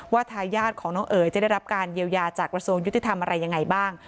ทายาทของน้องเอ๋ยจะได้รับการเยียวยาจากกระทรวงยุติธรรมอะไรยังไงบ้าง